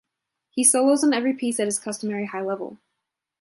He solos on every piece at his customary high level.